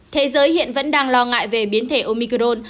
thế giới hiện vẫn đang lo ngại về biến thể omicol